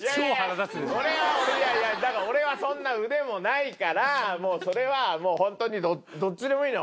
だから俺はそんな腕もないからそれはもうホントにどっちでもいいのよ